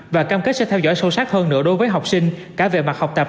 và cam kết sẽ theo dõi sâu sắc hơn nữa đối với học sinh cả về mặt học tập